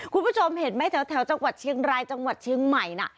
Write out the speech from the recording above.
คุณผู้ชมเห็นไหมแถวจังหวัดเชียงรายจังหวัดเชียงใหม่น่ะ